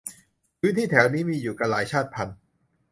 พื้นที่แถวนี้ มีอยู่กันหลายชาติพันธุ์